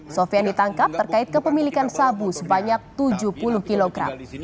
sofian ditangkap terkait kepemilikan sabu sebanyak tujuh puluh kilogram